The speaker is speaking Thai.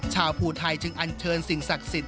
ภูไทยจึงอันเชิญสิ่งศักดิ์สิทธิ